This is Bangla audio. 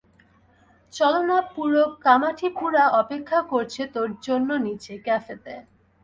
চল না, পুরো কামাঠিপুরা অপেক্ষা করছে তোর জন্য নিচে, ক্যাফেতে।